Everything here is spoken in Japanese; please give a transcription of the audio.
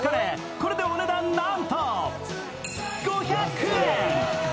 これでお値段なんと５００円。